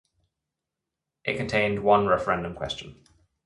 It contained one referendum question.